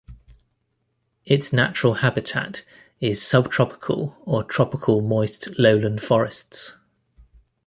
Its natural habitat is subtropical or tropical moist lowland forests.